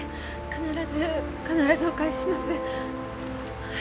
必ず必ずお返しします。